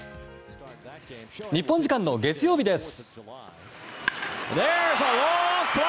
日本時間の月曜日です。